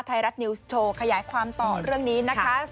ไทยรัฐนิวส์โชว์ขยายความต่อเรื่องนี้นะคะ